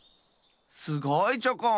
すごいチョコン。